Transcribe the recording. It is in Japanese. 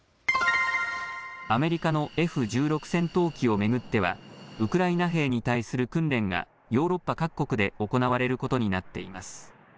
アメリカのＦ１６戦闘機を巡ってはウクライナ兵に対する訓練がヨーロッパ各国で行われることになっています。